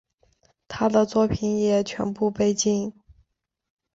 他的作品也全部被禁。